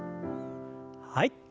はい。